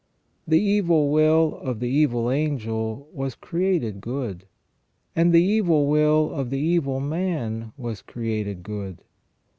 The evil will of the evil angel was created good, and the evil will of the evil man was created good.